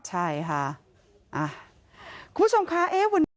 ใช่ค่ะคุณผู้ชมค่ะเอเวิร์น